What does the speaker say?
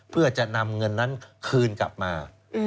เพื่อจะนำเงินนั้นคืนกลับมา